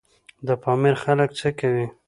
د پامیر خلک څه کوي؟